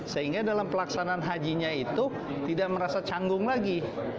sehingga dalam pelaksanaan hajinya itu tidak merasa canggung lagi